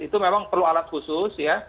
itu memang perlu alat khusus ya